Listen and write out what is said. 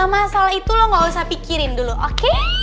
masalah itu lo gak usah pikirin dulu oke